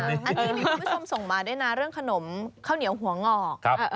อันนี้มีคุณผู้ชมส่งมาด้วยนะเรื่องขนมข้าวเหนียวหัวงอก